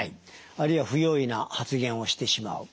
あるいは不用意な発言をしてしまう。